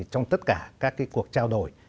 trong tất cả các cuộc trao đổi